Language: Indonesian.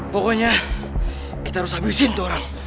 pokoknya kita harus habisin tuh orang